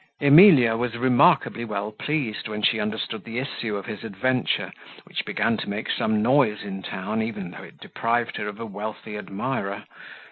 Emilia was remarkably well pleased, when she understood the issue of his adventure, which began to make some noise in town even though it deprived her of a wealthy admirer.